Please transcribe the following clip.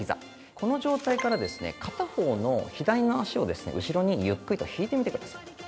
この状態から、片方の左の足を後ろにゆっくりと引いてみてください。